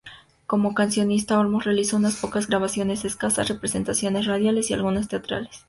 Como cancionista, Olmos realizó unas pocas grabaciones, escasas presentaciones radiales y algunas teatrales.